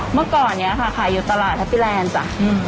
เมื่อก่อนนี้ค่ะขายอยู่ตลาดแฮปปี้แลนด์จ้ะ